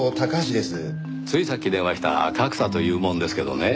ついさっき電話した角田という者ですけどね。